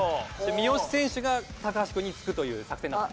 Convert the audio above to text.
三好選手が高橋くんにつくという作戦だったんですね。